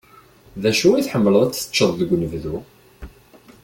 D acu i tḥemmleḍ ad t-teččeḍ deg unebdu?